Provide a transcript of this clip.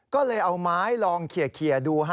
ก็เลยเอาไม้ลองเขียดู